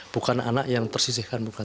bukan anak yang tersisihkan bukan